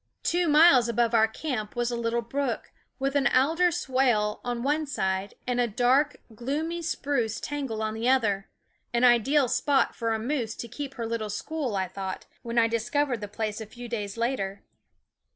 Two miles above our camp was a little brook, with an alder swale on one side and a dark, gloomy spruce tangle on the other an ideal spot for a moose to keep her little school, I thought, when I discovered the place a few days later.